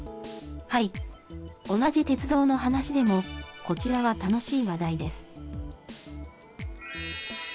同じ鉄道の話でも、こちらは楽しい話題です。